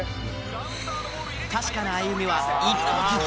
確かな歩みは一歩ずつ。